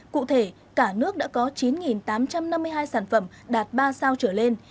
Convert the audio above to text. cụ thể cả nước đã có chín tám trăm năm mươi hai sản phẩm đạt ba sao trở lên